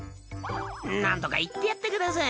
なんとか言ってやってください